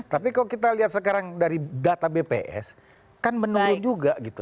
tapi kalau kita lihat sekarang dari data bps kan menurun juga gitu